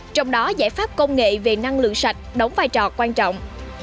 trong đó giải pháp công nghệ về năng lượng sạch đóng vai trò quan trọng